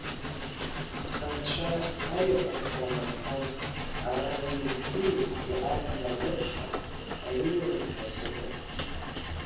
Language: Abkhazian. Анцәа аикәым ҳаумырҳәан, ара уеизгьы-уеизгьы абна алымҳа аиоурым ҳәа сыҟоуп.